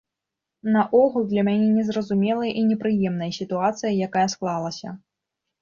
Наогул, для мяне незразумелая і непрыемная сітуацыя, якая склалася.